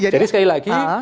jadi sekali lagi